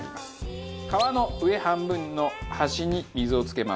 皮の上半分の端に水をつけます。